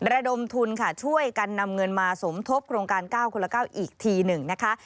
ระดมทุนค่ะช่วยกันนำเงินมาสมทบโครงการ๙คนละ๙อีกทีหนึ่งนะคะ